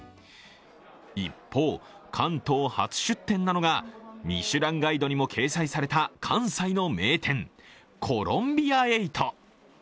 一方、関東初出店なのがミシュランガイドにも掲載された関西の名店、コロンビア８。